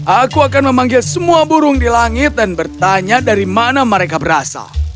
aku akan memanggil semua burung di langit dan bertanya dari mana mereka berasal